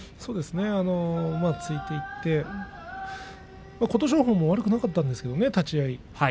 ついていって琴勝峰も悪くなかったんですよ立ち合い。